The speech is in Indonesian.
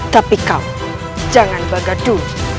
tapi kau jangan bergaduh